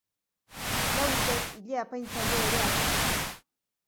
Lau urtez ile-apaintzaile ere aritu zen.